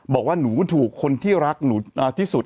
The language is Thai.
บอกว่าหนูถูกคนที่รักหนูที่สุด